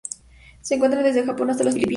Se encuentran desde Japón hasta las Filipinas.